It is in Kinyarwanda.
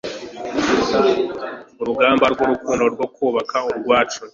urugamba rw'urukundo rwo kubaka urwacu